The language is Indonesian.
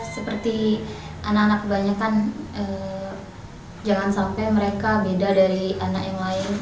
seperti anak anak kebanyakan jangan sampai mereka beda dari anak yang lain